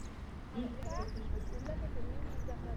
Vivre c’est plus que souffrir.